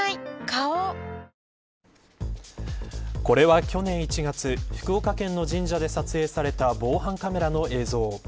花王これは、去年１月福岡県の神社で撮影された防犯カメラの映像。